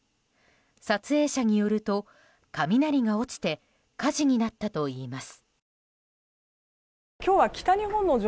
撮影者によると、雷が落ちて火事になったといいます。